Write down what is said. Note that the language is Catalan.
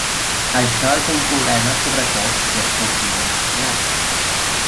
Això és un problema sobretot si es cultiva blat.